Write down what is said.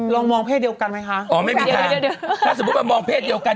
ลองมองเพศเดียวกันไหมคะอ๋อไม่มีทางเดี๋ยวเดี๋ยวถ้าสมมุติมันมองเพศเดียวกัน